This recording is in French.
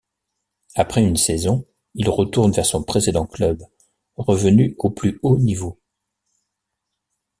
Après une saison, il retourne vers son précédent club, revenu au plus haut niveau.